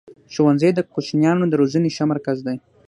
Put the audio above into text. ښوونځی د کوچنیانو د روزني ښه مرکز دی.